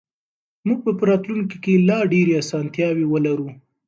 موږ به په راتلونکي کې لا ډېرې اسانتیاوې ولرو.